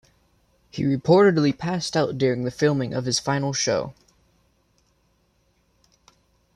He reportedly passed out during the filming of his final show.